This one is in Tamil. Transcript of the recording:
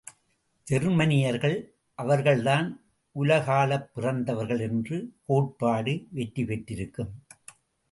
ஜெர்மானியர்கள் அவர்கள்தான் உலகாளப் பிறந்தவர்கள் என்ற கோட்பாடு வெற்றிபெற்றிருக்கும்.